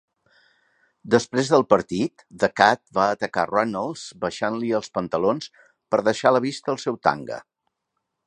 Després del partit, The Kat va atacar Runnels baixant-li els pantalons per deixar a la vista el seu tanga.